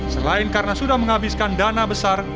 selain karena sudah menghabiskan dana besar